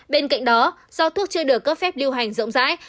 bên cạnh đó do thuốc chưa được cấp phép lưu hành rộng rãi